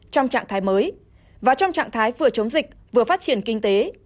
trong trạng thái mới và trong trạng thái vừa chống dịch vừa phát triển kinh tế